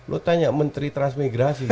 lu tanya menteri transmigrasi